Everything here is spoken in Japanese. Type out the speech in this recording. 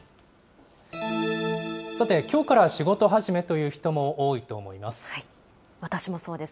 さて、きょうから仕事始めという人も多いと思います。